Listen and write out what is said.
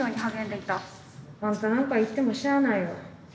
あんたなんか行ってもしゃあないわ。